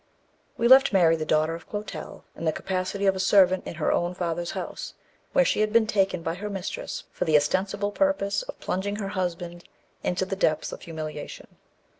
WE left Mary, the daughter of Clotel, in the capacity of a servant in her own father's house, where she had been taken by her mistress for the ostensible purpose of plunging her husband into the depths of humiliation.